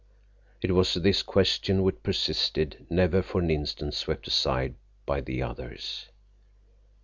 It was this question which persisted, never for an instant swept aside by the others.